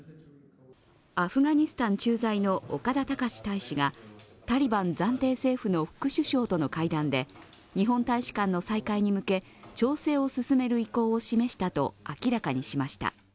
アフガニスタン駐在の岡田隆大使がタリバン暫定政府の副首相との会談で日本大使館の再開に向け、調整を進める意向を示したと明らかにしました。